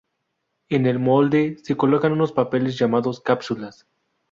En el molde se colocan unos papeles llamados cápsulas.